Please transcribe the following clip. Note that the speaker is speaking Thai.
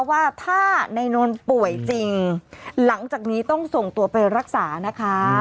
ว่าถ้านายนนท์ป่วยจริงหลังจากนี้ต้องส่งตัวไปรักษานะคะ